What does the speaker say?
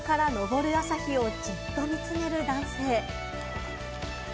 雲の合間から昇る朝日をじっと見つめる男性。